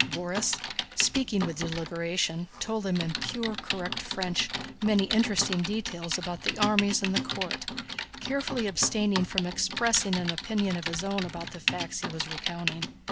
Borís, speaking with deliberation, told them in pure, correct French many interesting details about the armies and the court, carefully abstaining from expressing an opinion of his own about the facts he was recounting.